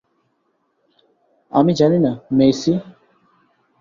আমি জানি না, মেইসি।